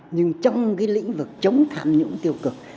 nhưng trong lĩnh vực chống tham nhũng tiêu cực